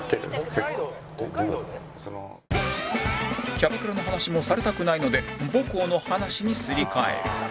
キャバクラの話もされたくないので母校の話にすり替える